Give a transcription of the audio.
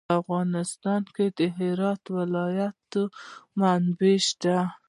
په افغانستان کې د هرات ولایت منابع شته.